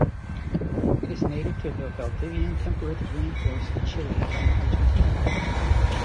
It is native to the Valdivian temperate rain forests of Chile and Argentina.